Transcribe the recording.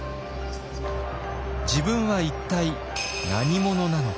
自分は一体何者なのか。